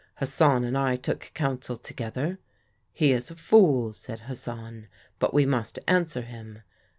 Hassan and I took counsel together. 'He is a fool,' said Hassan; 'but we must answer him.'